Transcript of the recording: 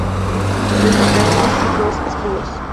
Destacaremos sus dos escudos.